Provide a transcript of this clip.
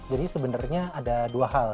jadi sebenarnya ada dua hal